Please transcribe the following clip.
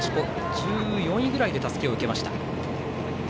１４位ぐらいでたすきを受けました。